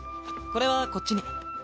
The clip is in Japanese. これはこっちに。